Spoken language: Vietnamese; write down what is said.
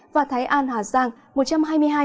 và thái an hà giang một trăm hai mươi hai bốn mm